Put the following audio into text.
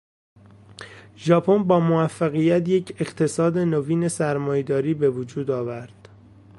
ژاپن با موفقیت یک اقتصاد نوین سرمایهداری به وجود آورد.